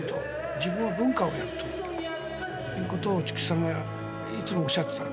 自分は文化をやると筑紫さんがいつもおっしゃっていた。